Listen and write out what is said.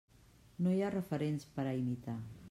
No hi ha referents per a imitar.